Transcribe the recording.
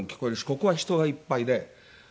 ここは人がいっぱいで。